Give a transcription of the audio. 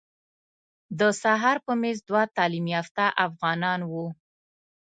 د سهار په میز دوه تعلیم یافته افغانان وو.